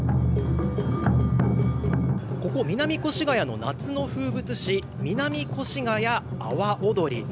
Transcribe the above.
ここ、南越谷の夏の風物詩、南越谷阿波踊り。